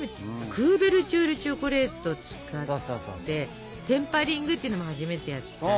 クーベルチュールチョコレートを使ってテンパリングっていうのも初めてやったでしょ。